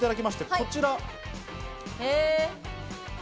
こちら。